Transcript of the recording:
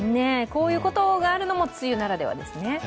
こういうことがあるのも梅雨ならではですね。